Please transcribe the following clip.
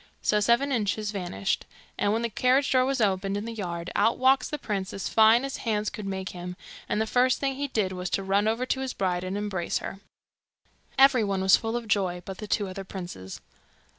So Seven Inches vanished; and when the carriage door was opened in the yard, out walks the prince as fine as hands could make him, and the first thing he did was to run over to his bride and embrace her. Every one was full of joy but the two other princes.